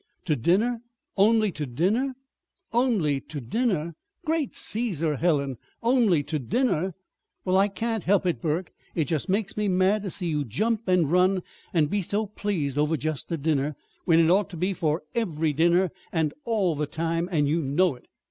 "To dinner! Only to dinner?" "Only to dinner! Great Cæsar, Helen only to dinner!" "Well, I can't help it, Burke. It just makes me mad to see you jump and run and be so pleased over just a dinner, when it ought to be for every dinner and all the time; and you know it."